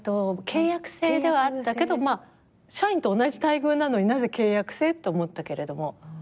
契約制ではあったけど社員と同じ待遇なのになぜ契約制？と思ったけれども。